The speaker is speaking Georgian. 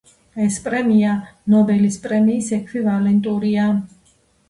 ეს პრემია ნობელის პრემიის ეკვივალენტურია.